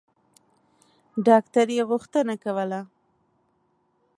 ډاکټر یې غوښتنه کوله.